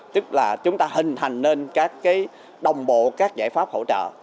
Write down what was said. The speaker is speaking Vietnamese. tức là chúng ta hình hành lên các cái đồng bộ các giải pháp hỗ trợ